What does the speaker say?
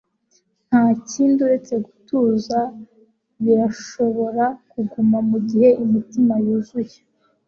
Ntakindi uretse gutuza birashobora kuguma mugihe imitima yuzuye